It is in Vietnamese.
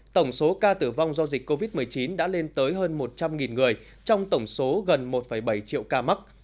tổng số ca tử vong do dịch covid một mươi chín đã lên tới hơn một trăm linh người trong tổng số gần một bảy triệu ca mắc